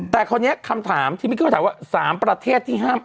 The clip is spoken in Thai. แต่คราวนี้คำถามที่มิกเขาถามว่า๓ประเทศที่ห้าม